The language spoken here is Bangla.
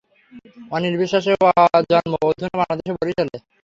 অনিল বিশ্বাসের জন্ম অধুনা বাংলাদেশের বরিশালে।